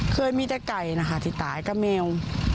เคยมีแค่ใก่ที่ตายกว่าแมว